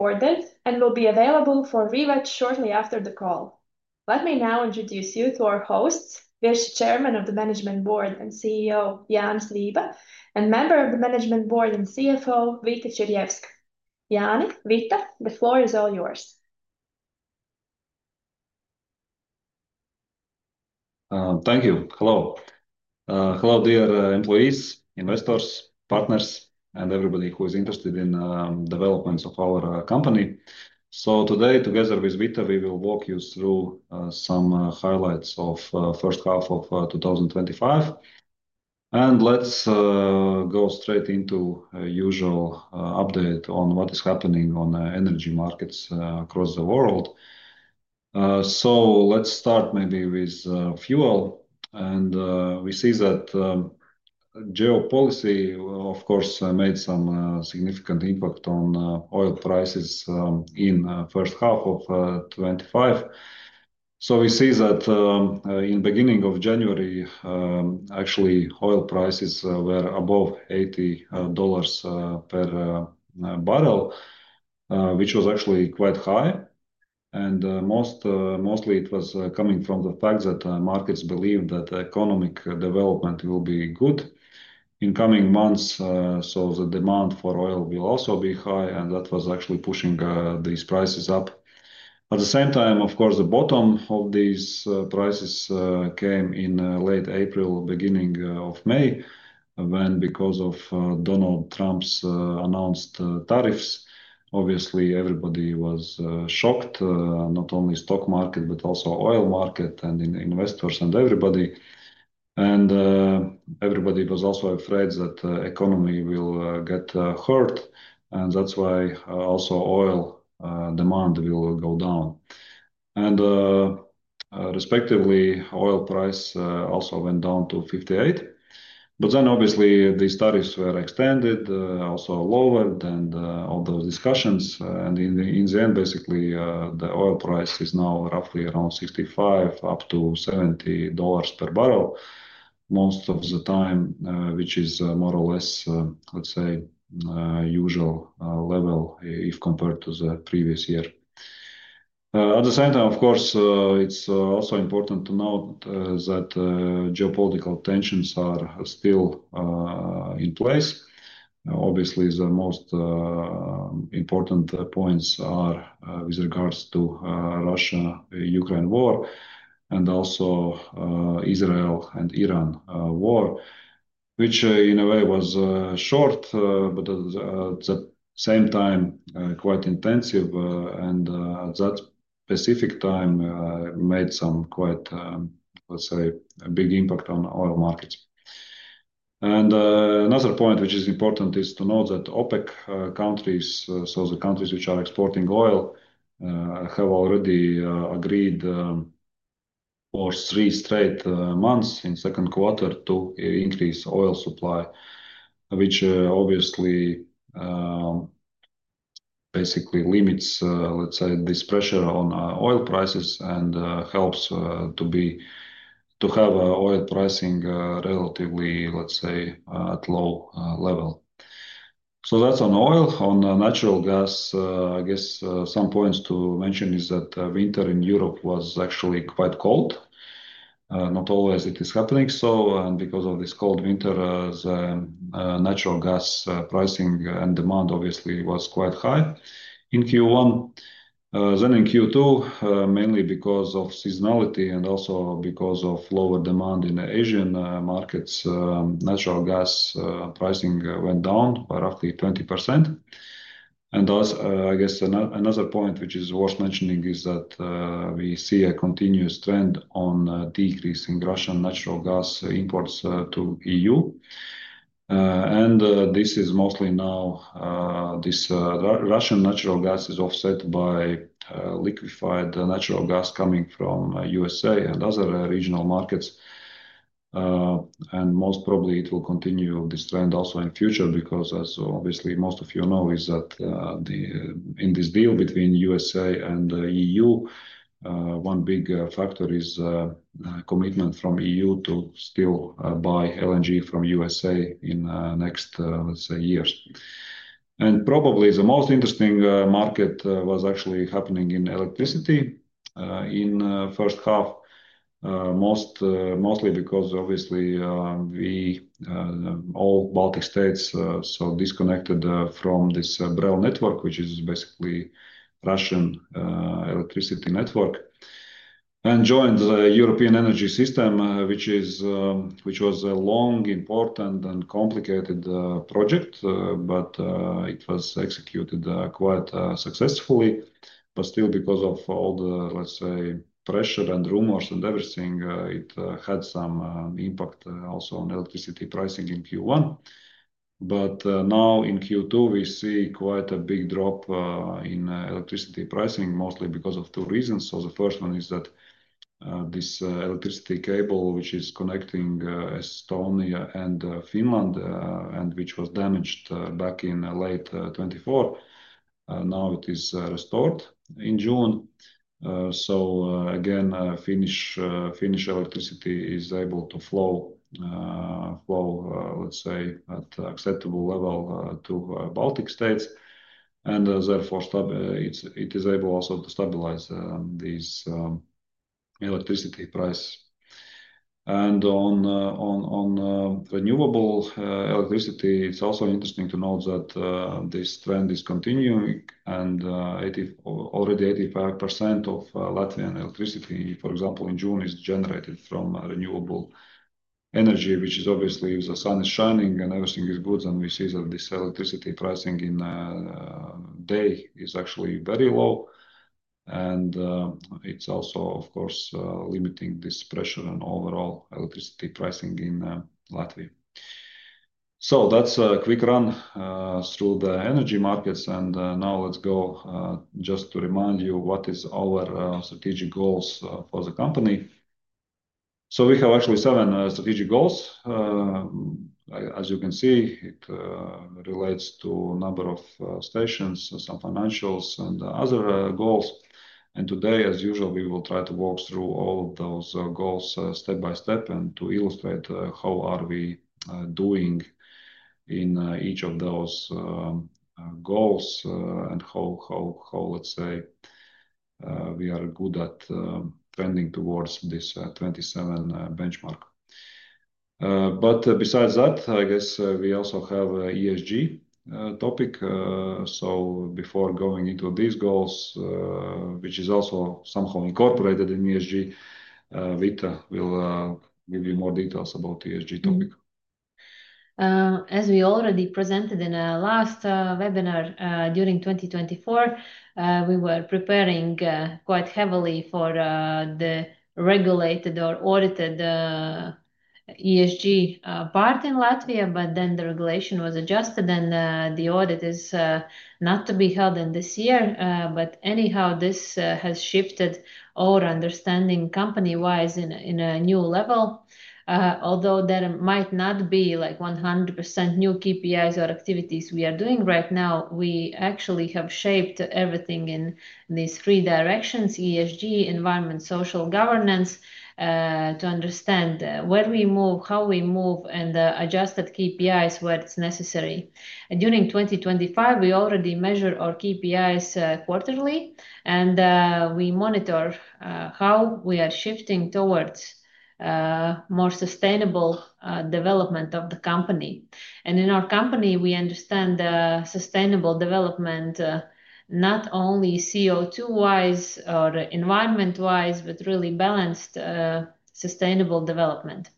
...be recorded and will be available for rewatch shortly after the call. Let me now introduce you to our hosts, Vice Chairman of the Management Board and CEO, Jānis Vība, and Member of the Management Board and CFO, Vita Čirjevska. Jānis, Vita, the floor is all yours. Thank you. Hello. Hello, dear employees, investors, partners, and everybody who is interested in the developments of our company. Today, together with Vita, we will walk you through some highlights of the first half of 2025. Let's go straight into the usual update on what is happening on the energy markets across the world. Let's start maybe with fuel. We see that geopolicy, of course, made some significant impact on oil prices in the first half of 2025. We see that in the beginning of January, actually, oil prices were above EUR 80 per barrel, which was actually quite high. Mostly, it was coming from the fact that markets believe that economic development will be good in the coming months. The demand for oil will also be high, and that was actually pushing these prices up. At the same time, of course, the bottom of these prices came in late April, beginning of May, when, because of Donald Trump's announced tariffs, obviously, everybody was shocked, not only the stock market, but also the oil market and investors and everybody. Everybody was also afraid that the economy will get hurt, and that's why also oil demand will go down. Respectively, oil price also went down to 58. Then, obviously, these tariffs were extended, also lowered, and all those discussions. In the end, basically, the oil price is now roughly around 65 up to EUR 70 per barrel most of the time, which is more or less, let's say, the usual level if compared to the previous year. At the same time, of course, it's also important to note that geopolitical tensions are still in place. Obviously, the most important points are with regards to the Russia-Ukraine war and also the Israel and Iran war, which in a way was short, but at the same time, quite intensive. That specific time made some quite, let's say, big impact on the oil markets. Another point which is important is to note that OPEC countries, so the countries which are exporting oil, have already agreed for three straight months in the second quarter to increase oil supply, which obviously basically limits, let's say, this pressure on oil prices and helps to have oil pricing relatively, let's say, at a low level. That's on oil. On natural gas, I guess some points to mention is that winter in Europe was actually quite cold. Not always it is happening so. Because of this cold winter, the natural gas pricing and demand obviously was quite high in Q1. In Q2, mainly because of seasonality and also because of lower demand in the Asian markets, natural gas pricing went down by roughly 20%. Another point which is worth mentioning is that we see a continuous trend on decreasing Russian natural gas imports to the EU. This Russian natural gas is mostly now offset by liquefied natural gas coming from the U.S.A. and other regional markets. Most probably, it will continue this trend also in the future because, as obviously most of you know, in this deal between the U.S.A. and the EU, one big factor is the commitment from the EU to still buy LNG from the U.S.A. in the next, let's say, years. Probably the most interesting market was actually happening in electricity in the first half, mostly because obviously all Baltic states are so disconnected from this BRELL network, which is basically the Russian electricity network, and joined the European energy system, which was a long, important, and complicated project. It was executed quite successfully. Still, because of all the, let's say, pressure and rumors and everything, it had some impact also on electricity pricing in Q1. Now in Q2, we see quite a big drop in electricity pricing, mostly because of two reasons. The first one is that this electricity cable, which is connecting Estonia and Finland, and which was damaged back in late 2024, now it is restored in June. Again, Finnish electricity is able to flow, let's say, at an acceptable level to Baltic states and therefore, it is able also to stabilize this electricity price. On renewable electricity, it's also interesting to note that this trend is continuing. Already 85% of Latvian electricity, for example, in June is generated from renewable energy, which is obviously the sun is shining and everything is good. We see that this electricity pricing in a day is actually very low. It's also, of course, limiting this pressure on overall electricity pricing in Latvia. That's a quick run through the energy markets. Now let's go just to remind you what are our strategic goals for the company. We have actually seven strategic goals. As you can see, it relates to a number of stations, some financials, and other goals. Today, as usual, we will try to walk through all of those goals step by step and to illustrate how are we doing in each of those goals and how, let's say, we are good at trending towards this 2027 benchmark. We also have an ESG topic. Before going into these goals, which is also somehow incorporated in ESG, Vita will give you more details about the ESG topic. As we already presented in the last webinar during 2024, we were preparing quite heavily for the regulated or audited ESG part in Latvia, but then the regulation was adjusted and the audit is not to be held in this year. Anyhow, this has shifted our understanding company-wise in a new level. Although there might not be like 100% new KPIs or activities we are doing right now, we actually have shaped everything in these three directions: ESG, environment, social governance, to understand where we move, how we move, and adjusted KPIs where it's necessary. During 2025, we already measure our KPIs quarterly, and we monitor how we are shifting towards more sustainable development of the company. In our company, we understand sustainable development not only CO2-wise or environment-wise, but really balanced sustainable development.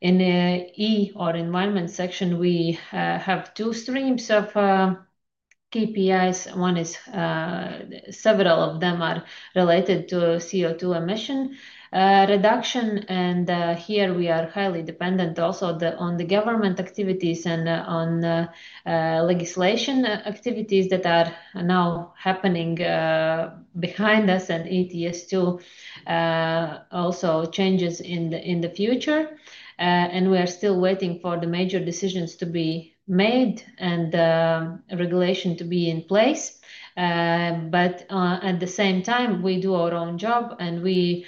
In the E or environment section, we have two streams of KPIs. One is several of them are related to CO2 emission reduction. Here we are highly dependent also on the government activities and on legislation activities that are now happening behind us and ETS2 also changes in the future. We are still waiting for the major decisions to be made and regulation to be in place. At the same time, we do our own job and we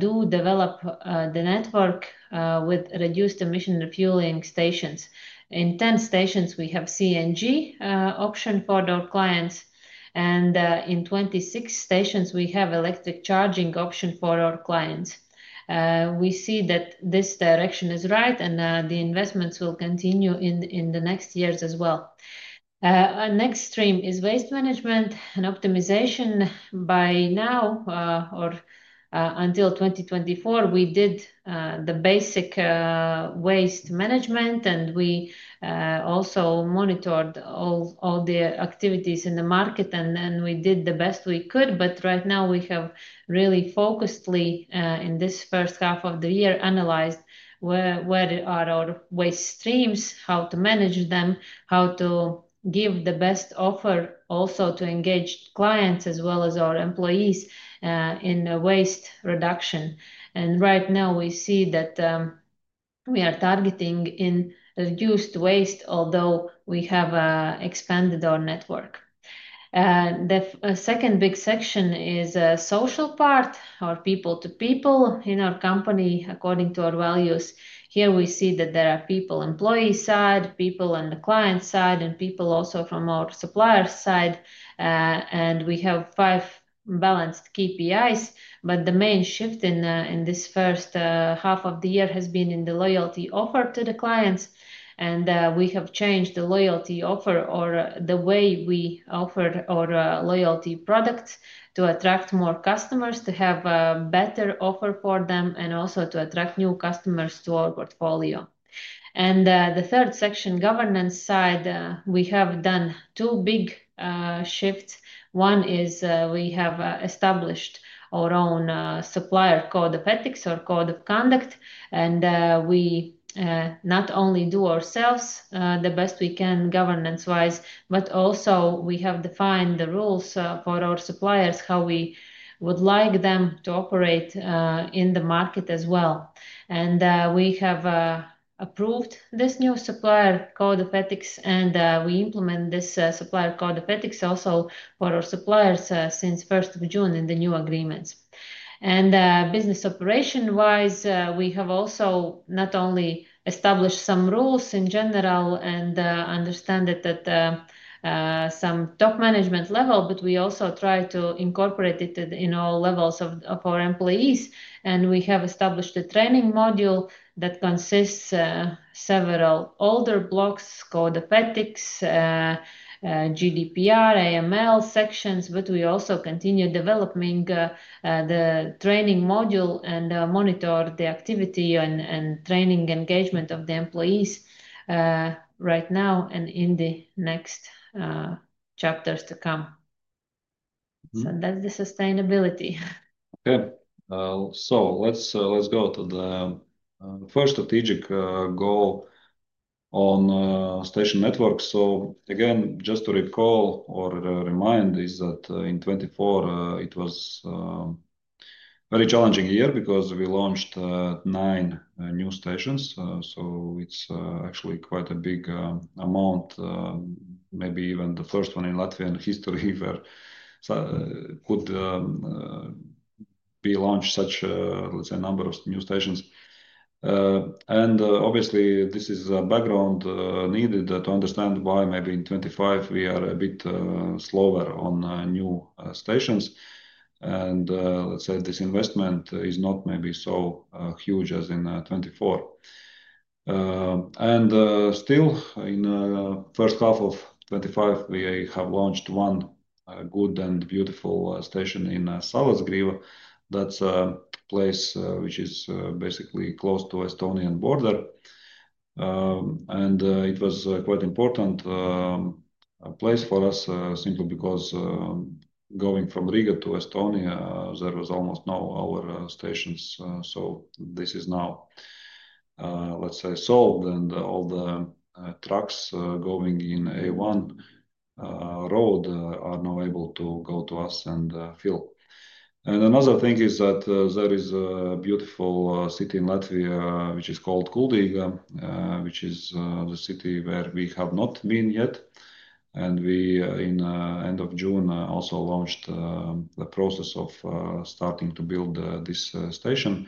do develop the network with reduced emission refueling stations. In 10 stations, we have CNG option for our clients. In 26 stations, we have electric charging option for our clients. We see that this direction is right and the investments will continue in the next years as well. Our next stream is waste management and optimization. By now, or until 2024, we did the basic waste management and we also monitored all the activities in the market and then we did the best we could. Right now, we have really focusedly in this first half of the year analyzed where are our waste streams, how to manage them, how to give the best offer also to engage clients as well as our employees in waste reduction. Right now, we see that we are targeting in reduced waste, although we have expanded our network. The second big section is a social part or people-to-people in our company according to our values. Here we see that there are people, employee side, people on the client side, and people also from our supplier side. We have five balanced KPIs. The main shift in this first half of the year has been in the loyalty offer to the clients. We have changed the loyalty offer or the way we offer our loyalty products to attract more customers, to have a better offer for them, and also to attract new customers to our portfolio. The third section, governance side, we have done two big shifts. One is we have established our own supplier code of ethics or code of conduct. We not only do ourselves the best we can governance-wise, but also we have defined the rules for our suppliers, how we would like them to operate in the market as well. We have approved this new supplier code of ethics, and we implement this supplier code of ethics also for our suppliers since June 1 in the new agreements. Business operation-wise, we have also not only established some rules in general and understand it at some top management level, but we also try to incorporate it in all levels of our employees. We have established a training module that consists of several older blocks, code of ethics, GDPR, AML sections, but we also continue developing the training module and monitor the activity and training engagement of the employees right now and in the next chapters to come. That's the sustainability. Okay. Let's go to the first strategic goal on station networks. Again, just to recall or remind, in 2024, it was a very challenging year because we launched nine new stations. It's actually quite a big amount, maybe even the first one in Latvian history where we could launch such, let's say, a number of new stations. Obviously, this is a background needed to understand why maybe in 2025 we are a bit slower on new stations. This investment is not maybe so huge as in 2024. Still, in the first half of 2025, we have launched one good and beautiful station in Salaspils. That's a place which is basically close to the Estonian border. It was a quite important place for us simply because going from Riga to Estonia, there were almost no our stations. This is now, let's say, solved, and all the trucks going in A1 road are now able to go to us and fill. Another thing is that there is a beautiful city in Latvia, which is called Kuldīga, which is the city where we have not been yet. In the end of June, we also launched the process of starting to build this station.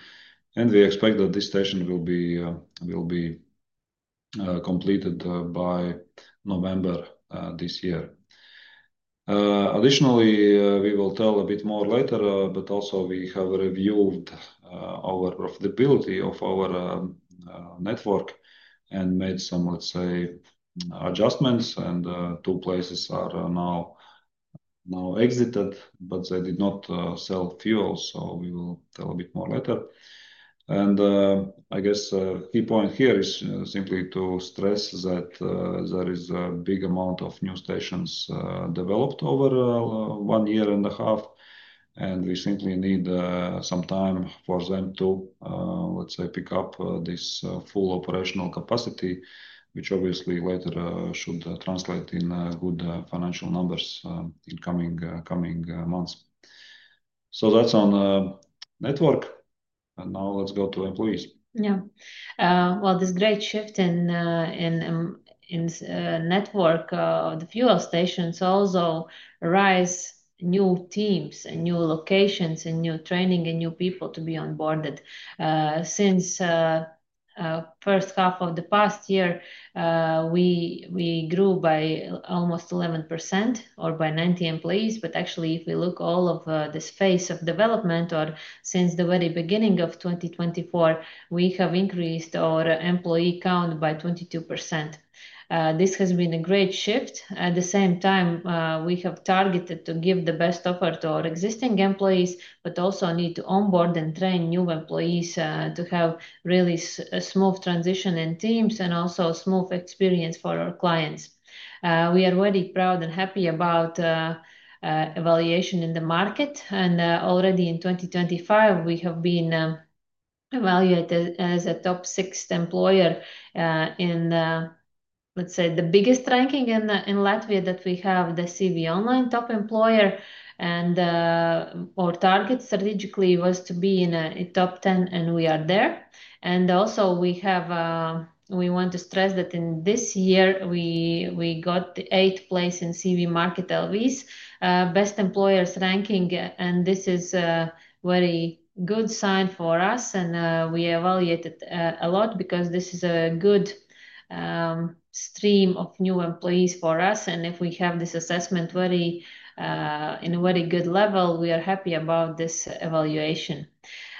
We expect that this station will be completed by November this year. Additionally, we will tell a bit more later, but also we have reviewed our profitability of our network and made some, let's say, adjustments. Two places are now exited, but they did not sell fuel. We will tell a bit more later. I guess the key point here is simply to stress that there is a big amount of new stations developed over one year and a half. We simply need some time for them to, let's say, pick up this full operational capacity, which obviously later should translate in good financial numbers in the coming months. That's on the network. Now let's go to employees. Yeah. This great shift in the network, the fuel stations also arise new teams and new locations and new training and new people to be onboarded. Since the first half of the past year, we grew by almost 11% or by 90 employees. Actually, if we look at all of the space of development or since the very beginning of 2024, we have increased our employee count by 22%. This has been a great shift. At the same time, we have targeted to give the best offer to our existing employees, but also need to onboard and train new employees to have really a smooth transition in teams and also a smooth experience for our clients. We are really proud and happy about evaluation in the market. Already in 2025, we have been evaluated as a top sixth employer in, let's say, the biggest ranking in Latvia that we have, the CV Online top employer. Our target strategically was to be in a top 10, and we are there. Also, we want to stress that in this year, we got the eighth place in CV Market LVs, best employers ranking. This is a very good sign for us. We evaluated a lot because this is a good stream of new employees for us. If we have this assessment in a very good level, we are happy about this evaluation.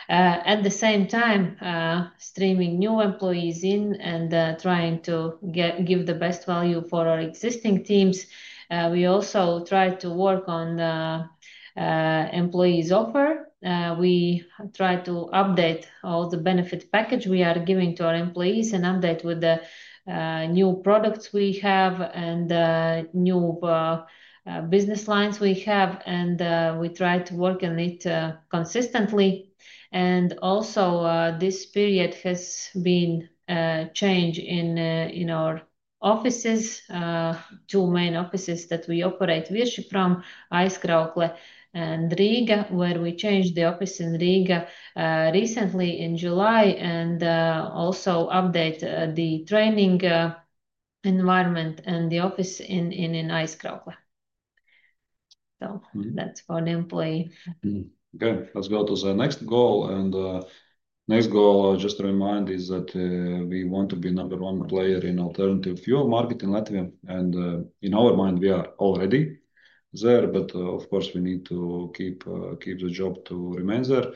At the same time, streaming new employees in and trying to give the best value for our existing teams, we also try to work on employees' offer. We try to update all the benefit package we are giving to our employees and update with the new products we have and the new business lines we have. We try to work on it consistently. Also, this period has been a change in our offices, two main offices that we operate Virši from, Aizkraukle and Riga, where we changed the office in Riga recently in July and also updated the training environment and the office in Aizkraukle. That's for the employee. Okay. Let's go to the next goal. The next goal, just to remind, is that we want to be the number one player in the alternative fuel market in Latvia. In our mind, we are already there, but of course, we need to keep the job to remain there.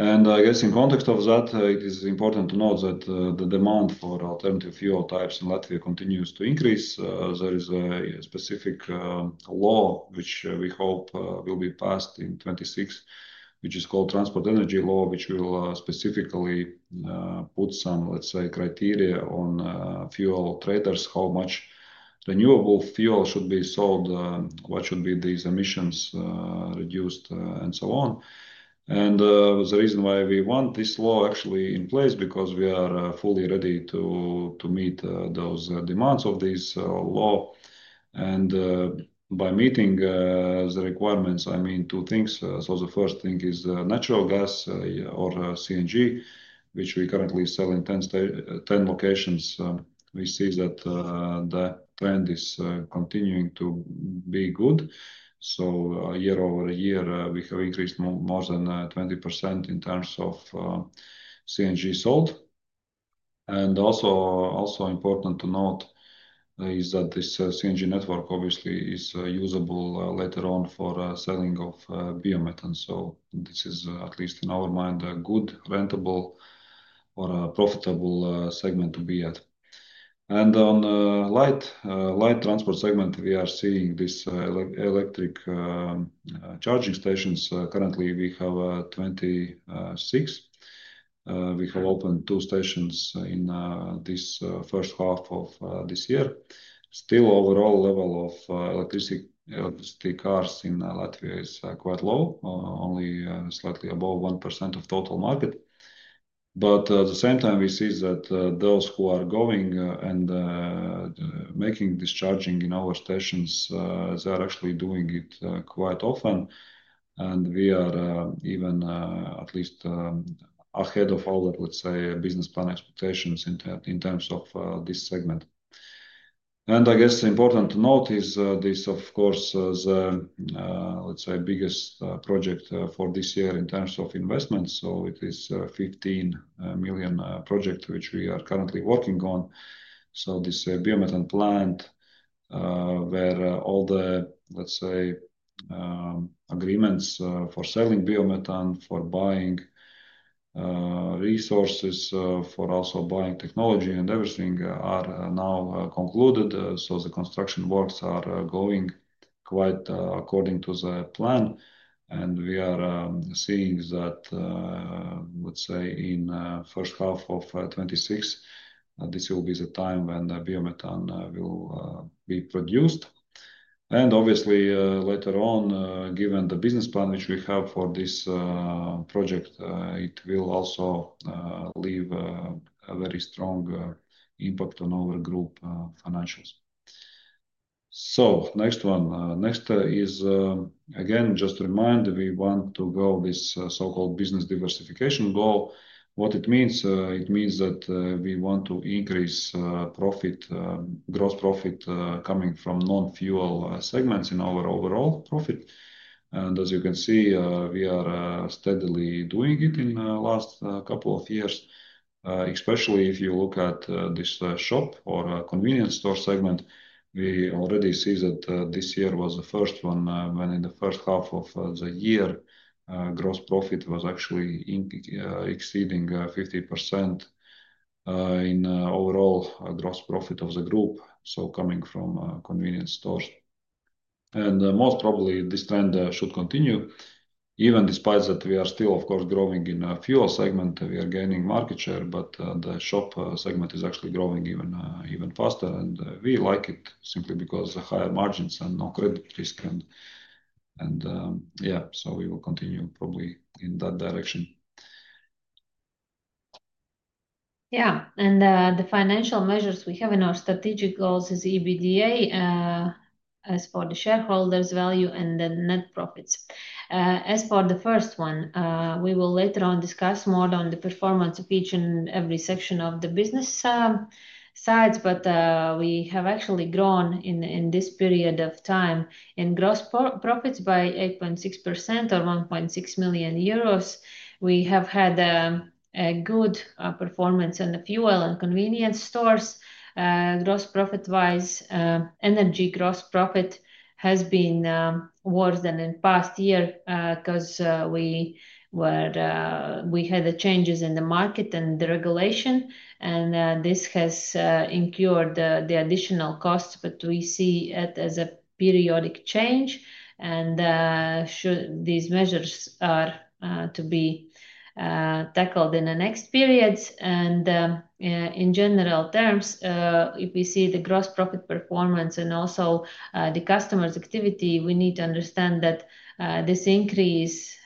I guess in context of that, it is important to note that the demand for alternative fuel types in Latvia continues to increase. There is a specific law which we hope will be passed in 2026, which is called the Transport Energy Law, which will specifically put some, let's say, criteria on fuel traders, how much renewable fuel should be sold, what should be these emissions reduced, and so on. The reason why we want this law actually in place is because we are fully ready to meet those demands of this law. By meeting the requirements, I mean two things. The first thing is natural gas or CNG, which we currently sell in 10 locations. We see that the trend is continuing to be good. Year over year, we have increased more than 20% in terms of CNG sold. Also important to note is that this CNG network obviously is usable later on for selling of biomethane. This is at least in our mind a good, rentable, or profitable segment to be at. On the light transport segment, we are seeing these electric vehicle charging stations. Currently, we have 26. We have opened two stations in this first half of this year. Still, overall level of electricity cars in Latvia is quite low, only slightly above 1% of total market. At the same time, we see that those who are going and making discharging in our stations, they're actually doing it quite often. We are even at least ahead of our, let's say, business plan expectations in terms of this segment. I guess it's important to note this is, of course, the, let's say, biggest project for this year in terms of investments. It is a 15 million project which we are currently working on. This biomethane plant, where all the, let's say, agreements for selling biomethane, for buying resources, for also buying technology and everything are now concluded. The construction works are going quite according to the plan. We are seeing that, let's say, in the first half of 2026, this will be the time when the biomethane will be produced. Obviously, later on, given the business plan which we have for this project, it will also leave a very strong impact on our group financials. Next is, again, just to remind, we want to go this so-called business diversification goal. What it means, it means that we want to increase gross profit coming from non-fuel segments in our overall profit. As you can see, we are steadily doing it in the last couple of years, especially if you look at this shop or convenience store segment. We already see that this year was the first one when in the first half of the year, gross profit was actually exceeding 50% in overall gross profit of the group, coming from convenience stores. Most probably, this trend should continue. Even despite that, we are still, of course, growing in the fuel segment. We are gaining market share, but the shop segment is actually growing even faster. We like it simply because of the higher margins and no credit distance. Yeah, we will continue probably in that direction. Yeah. The financial measures we have in our strategic goals are EBITDA as for the shareholders' value and the net profits. As for the first one, we will later on discuss more on the performance of each and every section of the business sides. We have actually grown in this period of time in gross profits by 8.6% or 1.6 million euros. We have had a good performance in the fuel and convenience store products. Gross profit-wise, energy gross profit has been worse than in the past year because we had the changes in the market and the regulation. This has incurred the additional costs, but we see it as a periodic change. These measures are to be tackled in the next periods. In general terms, if we see the gross profit performance and also the customer's activity, we need to understand that this increase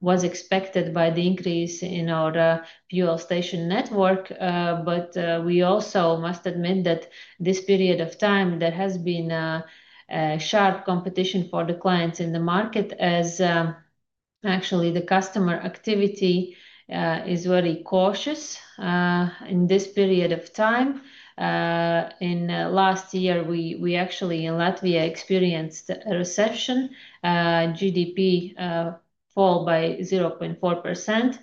was expected by the increase in our fuel station network. We also must admit that this period of time, there has been a sharp competition for the clients in the market, as actually the customer activity is very cautious in this period of time. In the last year, we actually in Latvia experienced a recession. GDP fell by 0.4%.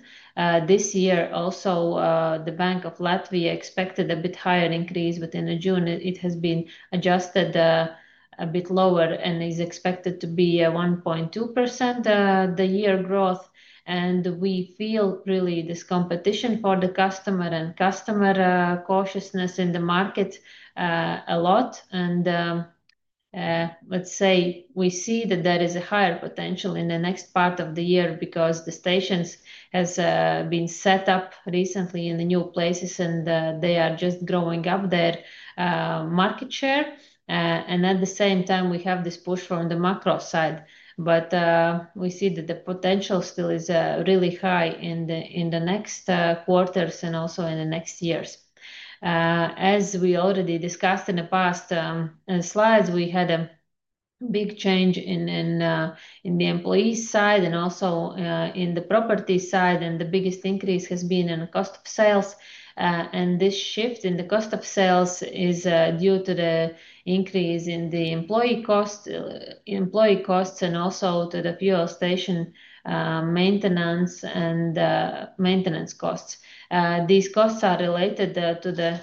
This year also, the Bank of Latvia expected a bit higher increase, but in June, it has been adjusted a bit lower and is expected to be 1.2% the year growth. We feel really this competition for the customer and customer cautiousness in the market a lot. Let's say we see that there is a higher potential in the next part of the year because the stations have been set up recently in the new places, and they are just growing up their market share. At the same time, we have this push from the macro side. We see that the potential still is really high in the next quarters and also in the next years. As we already discussed in the past slides, we had a big change in the employee side and also in the property side. The biggest increase has been in the cost of sales. This shift in the cost of sales is due to the increase in the employee costs and also to the fuel station maintenance and maintenance costs. These costs are related to the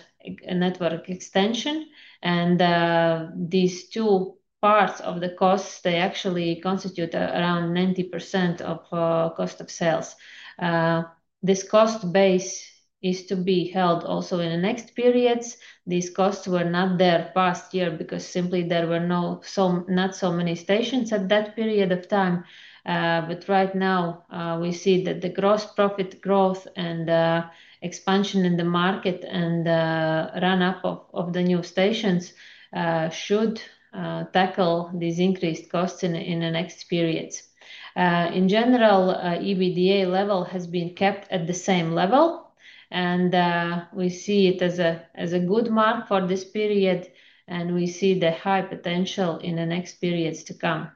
network extension. These two parts of the costs, they actually constitute around 90% of cost of sales. This cost base is to be held also in the next periods. These costs were not there past year because simply there were not so many stations at that period of time. Right now, we see that the gross profit growth and the expansion in the market and the run-up of the new stations should tackle these increased costs in the next periods. In general, EBITDA level has been kept at the same level. We see it as a good mark for this period, and we see the high potential in the next periods to come.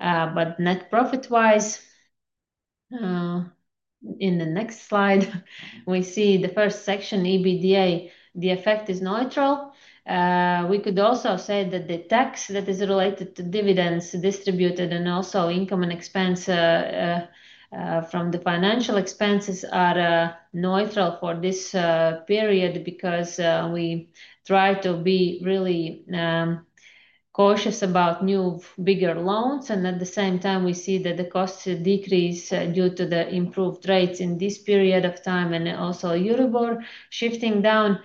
Net profit-wise, in the next slide, we see the first section, EBITDA, the effect is neutral. We could also say that the tax that is related to dividends distributed and also income and expense from the financial expenses are neutral for this period because we try to be really cautious about new bigger loans. At the same time, we see that the costs decrease due to the improved rates in this period of time and also Euribor shifting down.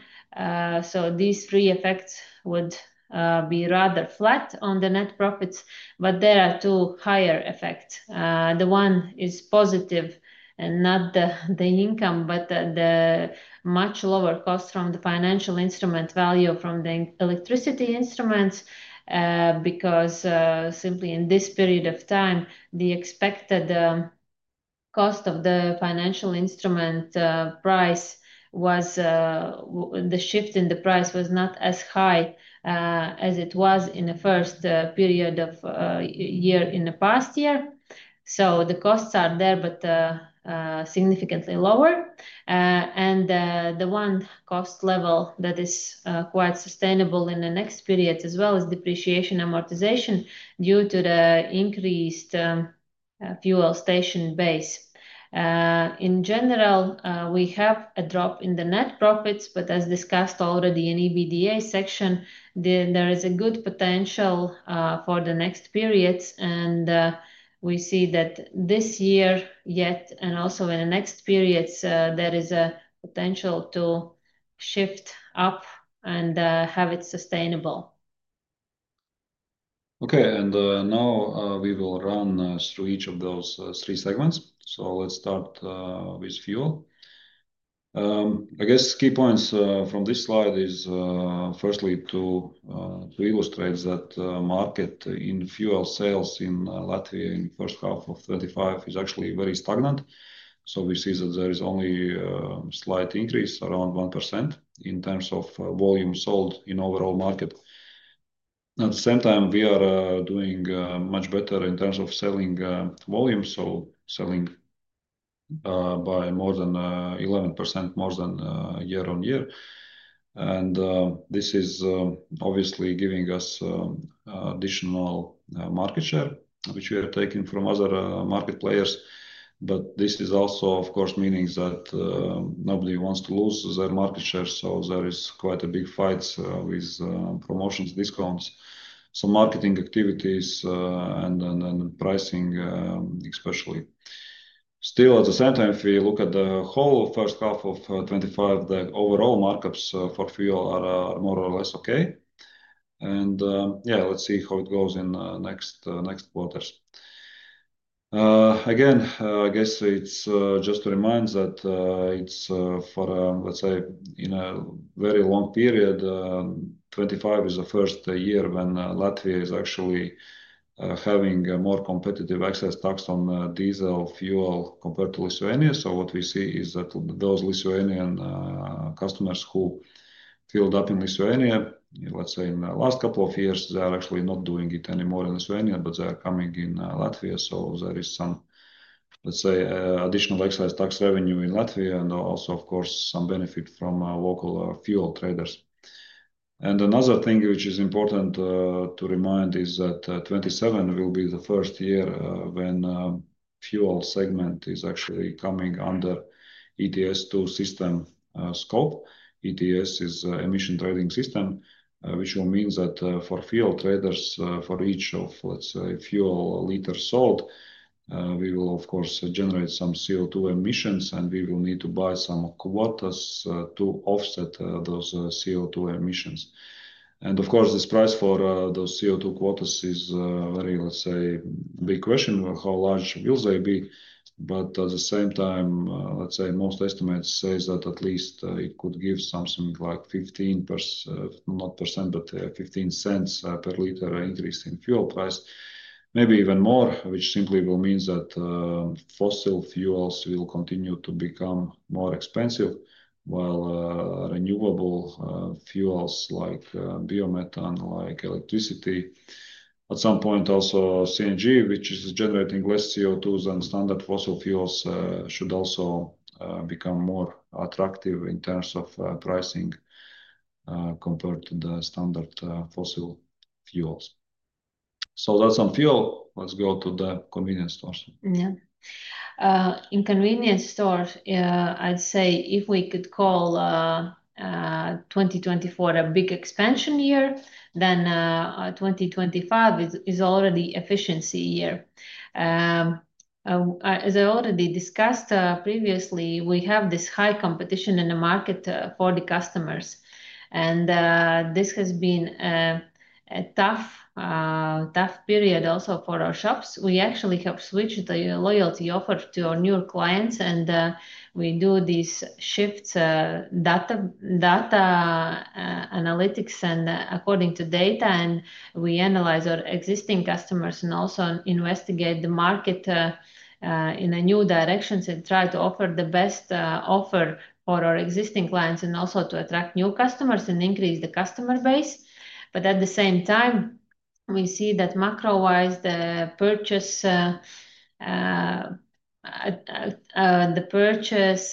These three effects would be rather flat on the net profits, but there are two higher effects. One is positive and not the income, but the much lower cost from the financial instrument value from the electricity instruments because simply in this period of time, the expected cost of the financial instrument price was the shift in the price was not as high as it was in the first period of the year in the past year. The costs are there, but significantly lower. The one cost level that is quite sustainable in the next period as well is depreciation amortization due to the increased fuel station base. In general, we have a drop in the net profits, but as discussed already in the EBITDA section, there is a good potential for the next periods. We see that this year yet and also in the next periods, there is a potential to shift up and have it sustainable. Okay. Now we will run through each of those three segments. Let's start with fuel. I guess key points from this slide are firstly to illustrate that the market in fuel sales in Latvia in the first half of 2025 is actually very stagnant. We see that there is only a slight increase, around 1%, in terms of volume sold in the overall market. At the same time, we are doing much better in terms of selling volume, selling by more than 11% more than year-on-year. This is obviously giving us additional market share, which we are taking from other market players. This also, of course, means that nobody wants to lose their market share. There is quite a big fight with promotions, discounts, some marketing activities, and then pricing, especially. Still, at the same time, if we look at the whole first half of 2025, the overall markups for fuel are more or less okay. Let's see how it goes in the next quarters. Again, I guess it's just to remind that for, let's say, in a very long period, 2025 is the first year when Latvia is actually having more competitive excise tax on diesel fuel compared to Lithuania. What we see is that those Lithuanian customers who filled up in Lithuania, let's say in the last couple of years, are actually not doing it anymore in Lithuania, but they are coming in Latvia. There is some, let's say, additional excise tax revenue in Latvia and also, of course, some benefit from local fuel traders. Another thing which is important to remind is that 2027 will be the first year when the fuel segment is actually coming under ETS2 system scope. ETS is the emission trading system, which will mean that for fuel traders, for each of, let's say, fuel liters sold, we will, of course, generate some CO2 emissions, and we will need to buy some quotas to offset those CO2 emissions. Of course, this price for those CO2 quotas is a very, let's say, big question of how large will they be. At the same time, most estimates say that at least it could give something like 0.15 per liter increase in fuel price, maybe even more, which simply will mean that fossil fuels will continue to become more expensive while renewable fuels like biomethane, like electricity, at some point also CNG, which is generating less CO2 than standard fossil fuels, should also become more attractive in terms of pricing compared to the standard fossil fuels. That's on fuel. Let's go to the convenience stores. Yeah. In convenience stores, I'd say if we could call 2024 a big expansion year, then 2025 is already an efficiency year. As I already discussed previously, we have this high competition in the market for the customers. This has been a tough period also for our shops. We actually have switched the loyalty offer to our new clients. We do these shifts, data analytics, and according to data, we analyze our existing customers and also investigate the market in new directions and try to offer the best offer for our existing clients and also to attract new customers and increase the customer base. At the same time, we see that macro-wise, the purchase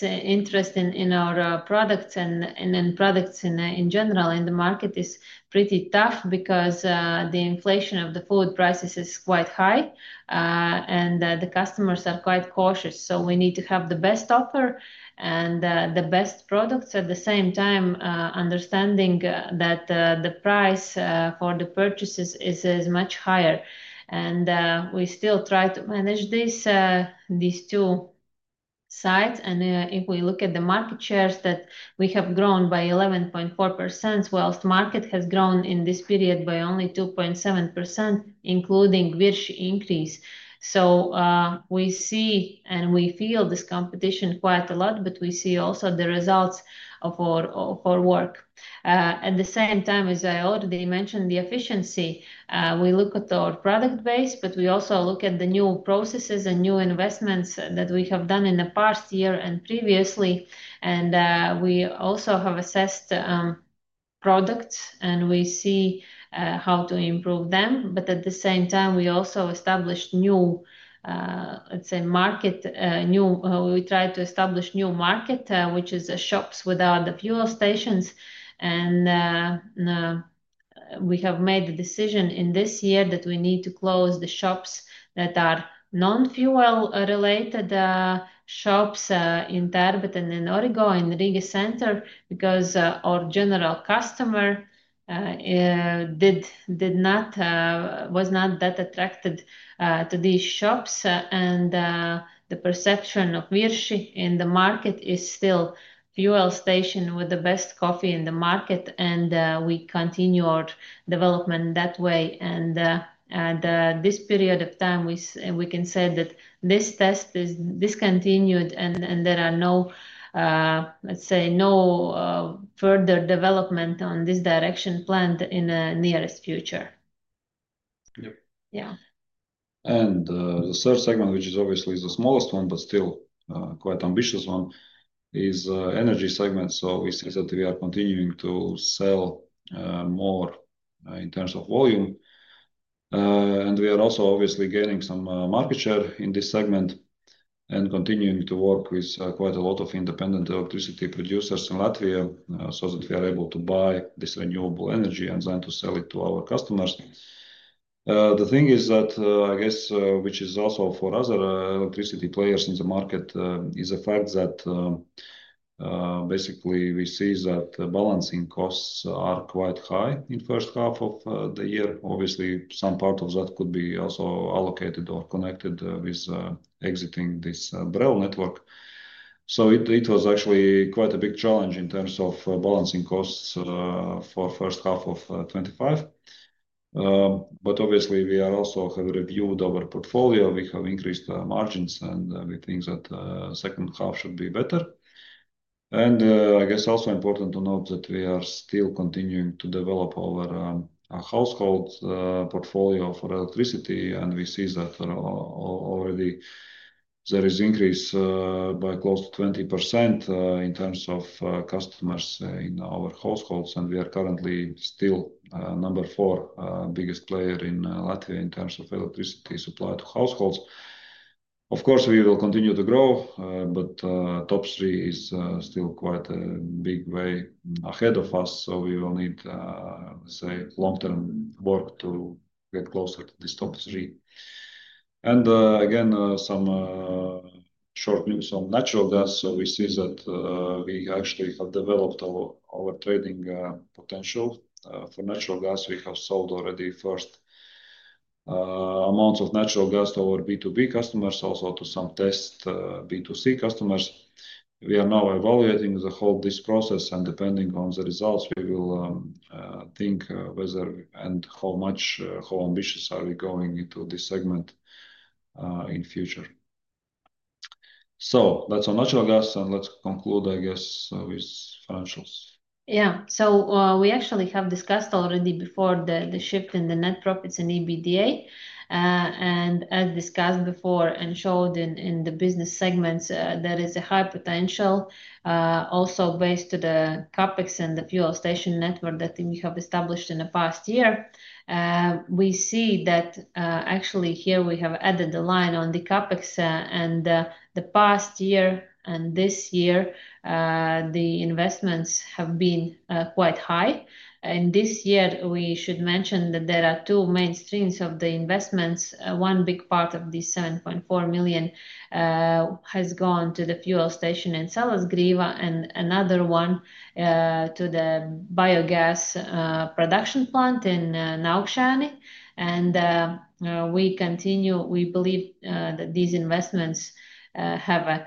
interest in our products and products in general in the market is pretty tough because the inflation of the food prices is quite high. The customers are quite cautious. We need to have the best offer and the best products at the same time, understanding that the price for the purchases is much higher. We still try to manage these two sides. If we look at the market shares, we have grown by 11.4%, whilst the market has grown in this period by only 2.7%, including Virši increase. We see and we feel this competition quite a lot, but we see also the results of our work. At the same time, as I already mentioned, the efficiency, we look at our product base, but we also look at the new processes and new investments that we have done in the past year and previously. We also have assessed products and we see how to improve them. At the same time, we also established new, let's say, market new. We try to establish new market, which is the shops without the fuel stations. We have made the decision in this year that we need to close the shops that are non-fuel-related shops in Tervete and in Origo in the Riga Center because our general customer was not that attracted to these shops. The perception of Virši in the market is still fuel station with the best coffee in the market. We continue our development that way. At this period of time, we can say that this test is discontinued and there are no, let's say, no further development on this direction planned in the nearest future. Yeah. Yeah. The third segment, which is obviously the smallest one but still quite an ambitious one, is the energy segment. We see that we are continuing to sell more in terms of volume. We are also obviously gaining some market share in this segment and continuing to work with quite a lot of independent electricity producers in Latvia so that we are able to buy this renewable energy and then to sell it to our customers. The thing is that, I guess, which is also for other electricity players in the market, is the fact that basically we see that balancing costs are quite high in the first half of the year. Some part of that could be also allocated or connected with exiting this BRELL network. It was actually quite a big challenge in terms of balancing costs for the first half of 2025. We also have reviewed our portfolio. We have increased margins, and we think that the second half should be better. I guess also important to note that we are still continuing to develop our households' portfolio for electricity. We see that already there is an increase by close to 20% in terms of customers in our households. We are currently still the number four biggest player in Latvia in terms of electricity supply to households. Of course, we will continue to grow, but the top three is still quite a big way ahead of us. We will need, let's say, long-term work to get closer to the top three. Some short news on natural gas. We see that we actually have developed our trading potential for natural gas. We have sold already first amounts of natural gas to our B2B customers, also to some test B2C customers. We are now evaluating the whole process, and depending on the results, we will think whether and how much, how ambitious are we going into this segment in the future. That's on natural gas, and let's conclude, I guess, with financials. Yeah. We actually have discussed already before the shift in the net profits and EBITDA. As discussed before and showed in the business segments, there is a high potential also based on the CapEx and the fuel station network that we have established in the past year. We see that actually here we have added the line on the CapEx. In the past year and this year, the investments have been quite high. This year, we should mention that there are two main streams of the investments. One big part of the 7.4 million has gone to the fuel station in Salaspils, and another one to the biogas production plant in Naukšēni. We continue, we believe that these investments have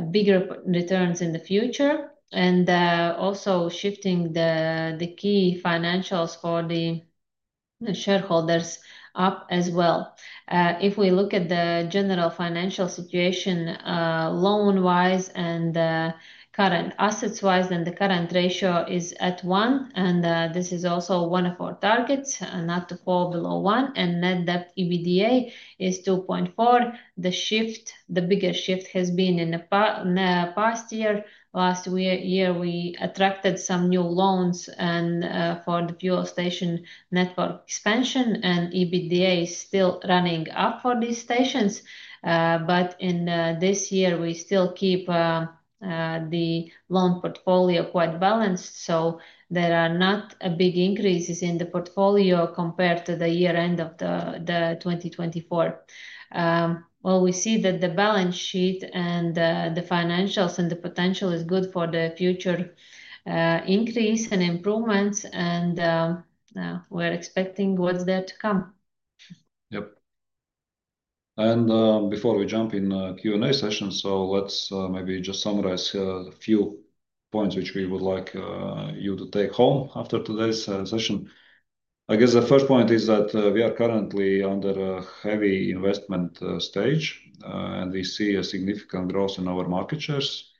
bigger returns in the future and also shifting the key financials for the shareholders up as well. If we look at the general financial situation loan-wise and current assets-wise, the current ratio is at 1. This is also one of our targets, not to fall below 1. Net debt/EBITDA is 2.4. The bigger shift has been in the past year. Last year, we attracted some new loans for the fuel station network expansion, and EBITDA is still running up for these stations. In this year, we still keep the loan portfolio quite balanced. There are not big increases in the portfolio compared to the year end of 2024. We see that the balance sheet and the financials and the potential is good for the future increase and improvements. We're expecting what's there to come. Yep. Before we jump in Q&A session, let's maybe just summarize a few points which we would like you to take home after today's session. I guess the first point is that we are currently under a heavy investment stage, and we see a significant growth in our market shares.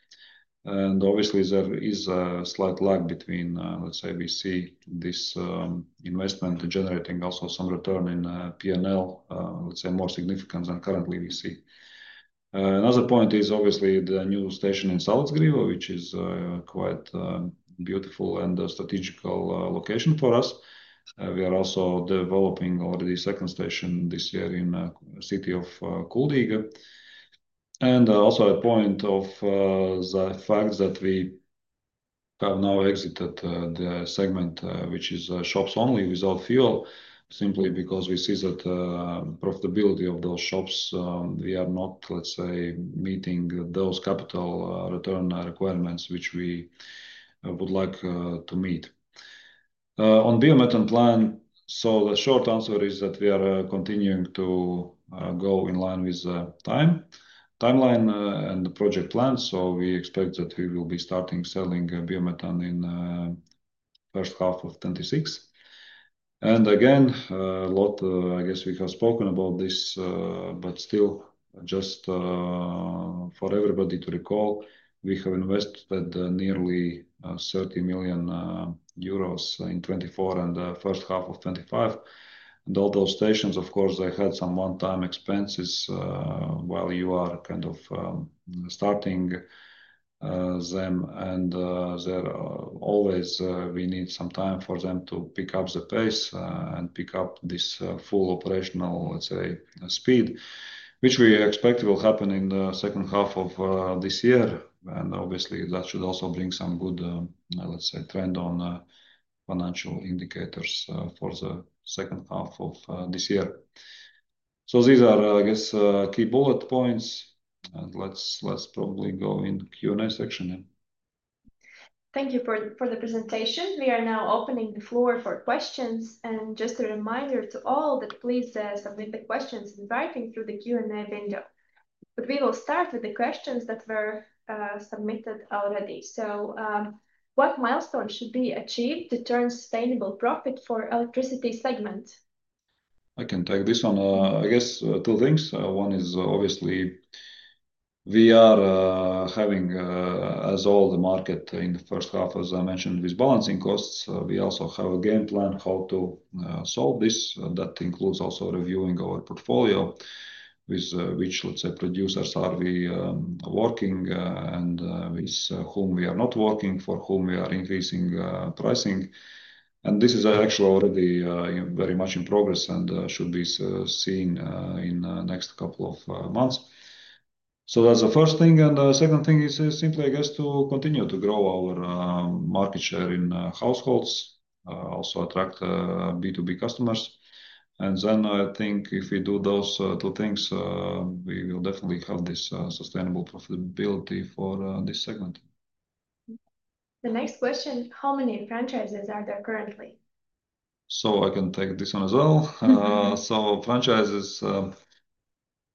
Obviously, there is a slight lag between, let's say, we see this investment generating also some return in P&L, let's say, more significant than currently we see. Another point is obviously the new station in Salaspils, which is quite a beautiful and strategical location for us. We are also developing already a second station this year in the city of Kuldīga. Also a point of the fact that we have now exited the segment which is shops only without fuel, simply because we see that the profitability of those shops, we are not, let's say, meeting those capital return requirements which we would like to meet. On the biomethane plan, the short answer is that we are continuing to go in line with the timeline and the project plan. We expect that we will be starting selling biomethane in the first half of 2026. Again, a lot, I guess, we have spoken about this, but still just for everybody to recall, we have invested nearly 30 million euros in 2024 and the first half of 2025. All those stations, of course, they had some one-time expenses while you are kind of starting them. There always we need some time for them to pick up the pace and pick up this full operational, let's say, speed, which we expect will happen in the second half of this year. Obviously, that should also bring some good, let's say, trend on financial indicators for the second half of this year. These are, I guess, key bullet points. Let's probably go in the Q&A section. Thank you for the presentation. We are now opening the floor for questions. Just a reminder to all that please submit the questions in writing through the Q&A window. We will start with the questions that were submitted already. What milestone should be achieved to turn sustainable profit for the electricity segment? I can take this one. I guess two things. One is obviously we are having a sold market in the first half, as I mentioned, with balancing costs. We also have a game plan how to solve this. That includes also reviewing our portfolio with which, let's say, producers are we working and with whom we are not working, for whom we are increasing pricing. This is actually already very much in progress and should be seen in the next couple of months. That's the first thing. The second thing is simply, I guess, to continue to grow our market share in households, also attract B2B customers. I think if we do those two things, we will definitely have this sustainable profitability for this segment. The next question, how many franchises are there currently? I can take this one as well. Franchises,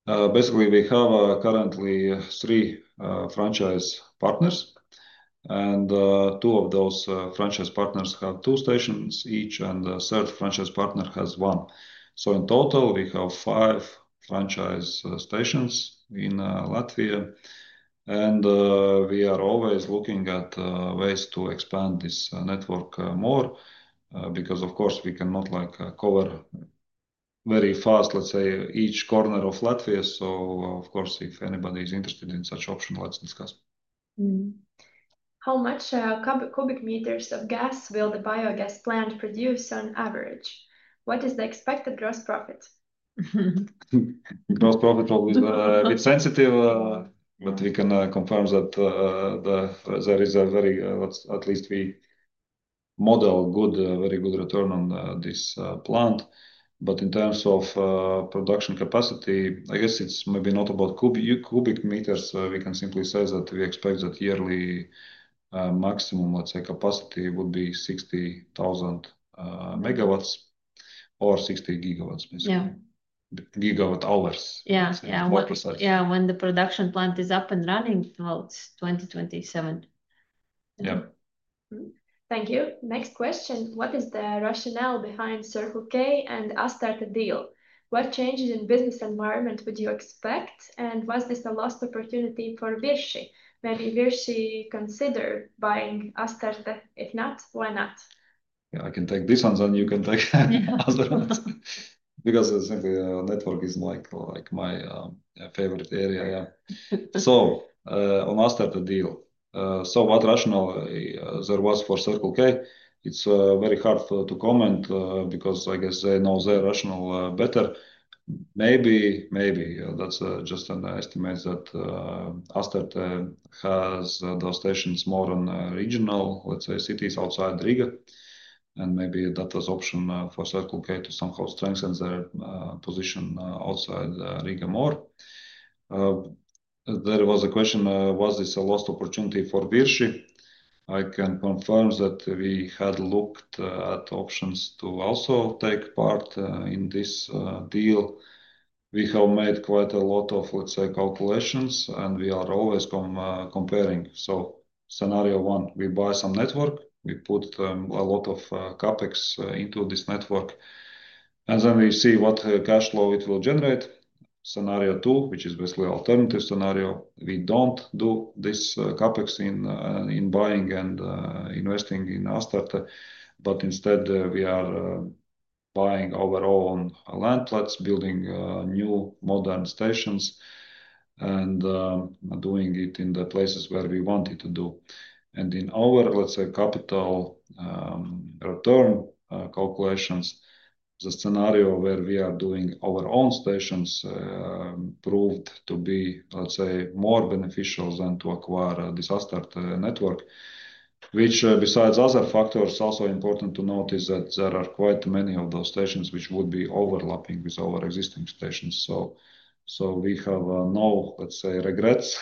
basically, we have currently three franchise partners. Two of those franchise partners have two stations each, and the third franchise partner has one. In total, we have five franchise stations in Latvia. We are always looking at ways to expand this network more because, of course, we cannot cover very fast, let's say, each corner of Latvia. If anybody is interested in such options, let's discuss. How much cubic meters of gas will the biogas plant produce on average? What is the expected gross profit? Gross profit is always a bit sensitive, but we can confirm that there is a very, at least we model a very good return on this plant. In terms of production capacity, I guess it's maybe not about cubic meters. We can simply say that we expect that yearly maximum, let's say, capacity would be 60,000 MW hours or 60 GW hours. Yeah. Gigawatt hours. Yeah. When the production plant is up and running throughout 2027. Yeah. Thank you. Next question, what is the rationale behind Circle-K and Astarte deal? What changes in the business environment would you expect? Was this the last opportunity for Virši? Maybe Virši considered buying Astarte. If not, why not? Yeah, I can take this one, and then you can take the other ones because I think the network is like my favorite area. On the Astarte deal, what rationale there was for Circle-K, it's very hard to comment because I guess they know their rationale better. Maybe that's just an estimate that Astarte has those stations more on regional, let's say, cities outside Riga. Maybe that is an option for Circle-K to somehow strengthen their position outside Riga more. There was a question, was this the last opportunity for Virši? I can confirm that we had looked at options to also take part in this deal. We have made quite a lot of, let's say, calculations, and we are always comparing. Scenario one, we buy some network, we put a lot of CapEx into this network, and then we see what cash flow it will generate. Scenario two, which is basically an alternative scenario, we don't do this CapEx in buying and investing in Astarte, but instead, we are buying our own land plots, building new modern stations, and doing it in the places where we want it to do. In our, let's say, capital return calculations, the scenario where we are doing our own stations proved to be, let's say, more beneficial than to acquire this Astarte network, which besides other factors, it's also important to note is that there are quite many of those stations which would be overlapping with our existing stations. We have no, let's say, regrets.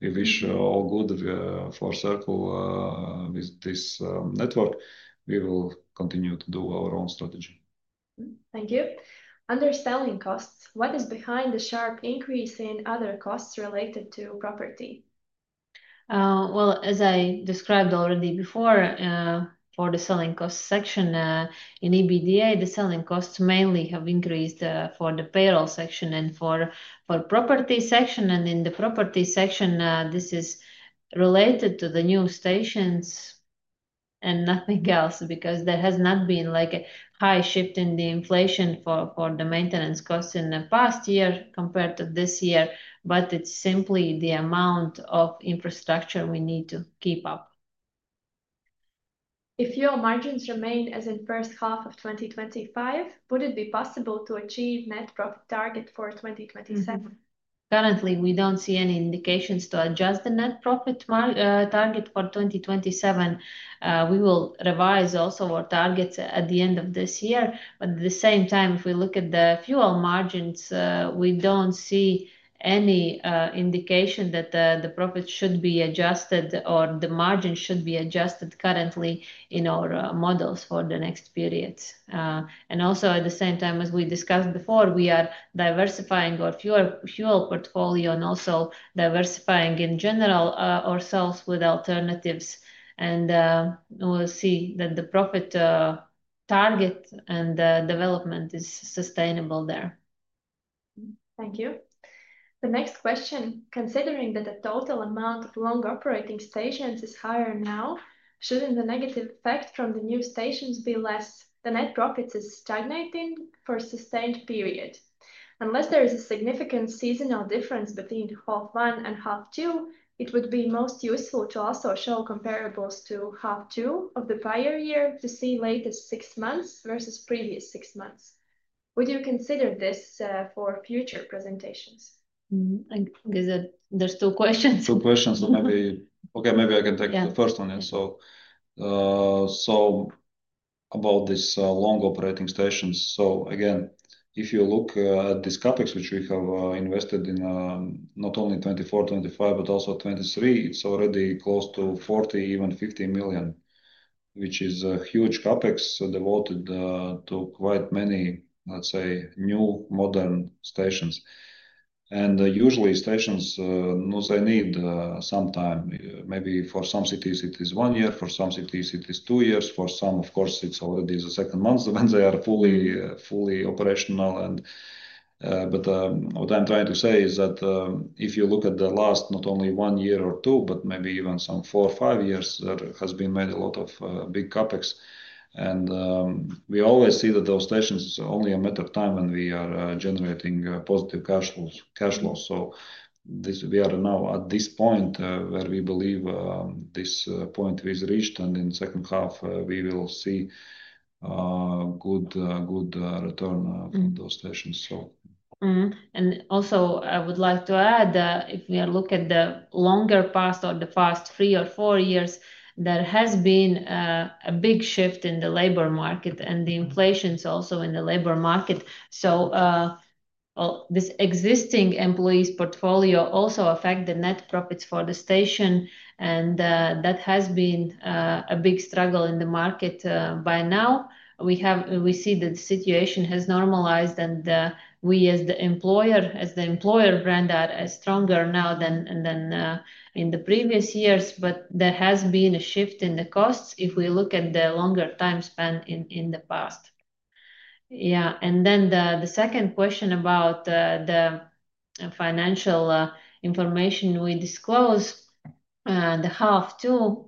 We wish all good for Circle-K with this network. We will continue to do our own strategy. Thank you. Under selling costs, what is behind the sharp increase in other costs related to property? As I described already before, for the selling cost section, in EBITDA, the selling costs mainly have increased for the payroll section and for the property section. In the property section, this is related to the new stations and nothing else because there has not been a high shift in the inflation for the maintenance costs in the past year compared to this year. It is simply the amount of infrastructure we need to keep up. If fuel margins remain as in the first half of 2025, would it be possible to achieve the net profit target for 2027? Currently, we don't see any indications to adjust the net profit target for 2027. We will revise also our targets at the end of this year. At the same time, if we look at the fuel margins, we don't see any indication that the profit should be adjusted or the margin should be adjusted currently in our models for the next periods. Also, as we discussed before, we are diversifying our fuel portfolio and also diversifying in general ourselves with alternatives. We see that the profit target and development is sustainable there. Thank you. The next question, considering that the total amount of long operating stations is higher now, shouldn't the negative effect from the new stations be less? The net profit is stagnating for a sustained period. Unless there is a significant seasonal difference between half one and half two, it would be most useful to also show comparables to half two of the prior year to see the latest six months versus previous six months. Would you consider this for future presentations? I guess there's two questions. Two questions. Maybe I can take the first one. About these long operating stations, if you look at this CapEx, which we have invested in not only 2024, 2025, but also 2023, it's already close to 40 million, even 50 million, which is a huge CapEx devoted to quite many, let's say, new modern stations. Usually, stations need some time. Maybe for some cities, it is one year. For some cities, it is two years. For some, of course, it's already the second month when they are fully operational. What I'm trying to say is that if you look at the last not only one year or two, but maybe even some four or five years, there has been made a lot of big CapEx. We always see that those stations are only a matter of time when we are generating positive cash flows. We are now at this point where we believe this point is reached. In the second half, we will see a good return on those stations. I would like to add that if we look at the longer past or the past three or four years, there has been a big shift in the labor market and the inflation is also in the labor market. This existing employees' portfolio also affects the net profits for the station. That has been a big struggle in the market by now. We see that the situation has normalized. We, as the employer, as the employer brand, are stronger now than in the previous years. There has been a shift in the costs if we look at the longer time span in the past. The second question about the financial information we disclosed, the half two,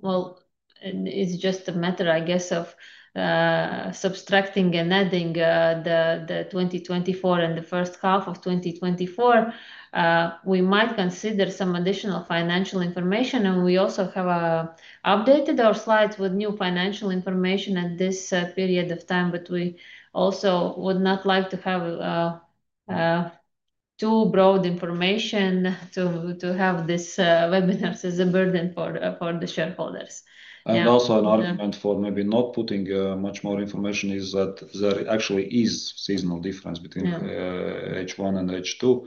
it's just a matter, I guess, of subtracting and adding the 2024 and the first half of 2024. We might consider some additional financial information. We also have updated our slides with new financial information in this period of time. We also would not like to have too broad information to have this webinar. It's a burden for the shareholders. There actually is a seasonal difference between H1 and H2.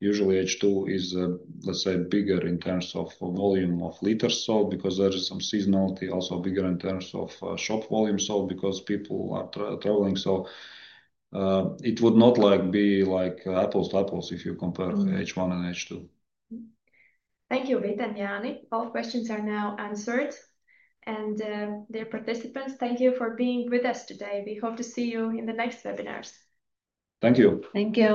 Usually, H2 is, let's say, bigger in terms of volume of liters because there is some seasonality, also bigger in terms of shop volume because people are traveling. It would not be like apples to apples if you compare H1 and H2. Thank you, Vita and Jānis. All questions are now answered. Dear participants, thank you for being with us today. We hope to see you in the next webinars. Thank you. Thank you.